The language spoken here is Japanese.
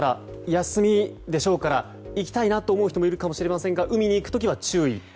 休みでしょうから行きたいなと思う人もいるかもしれませんが海に行く人は注意。